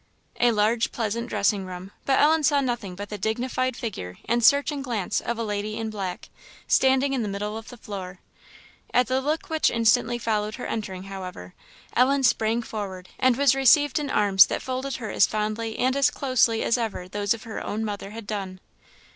A large pleasant dressing room but Ellen saw nothing but the dignified figure and searching glance of a lady in black, standing in the middle of the floor. At the look which instantly followed her entering, however, Ellen sprang forward, and was received in arms that folded her as fondly and as closely as ever those of her own mother had done.